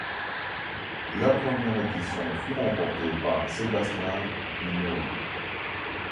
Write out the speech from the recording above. La première édition fut remportée par Sébastien Hinault.